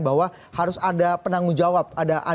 bahwa harus ada penanggung jawab